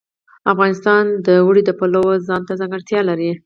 افغانستان د اوړي د پلوه ځانته ځانګړتیا لري.